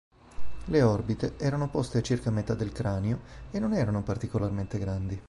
Le orbite erano poste a circa metà del cranio e non erano particolarmente grandi.